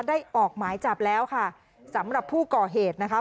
ออกหมายจับแล้วค่ะสำหรับผู้ก่อเหตุนะคะ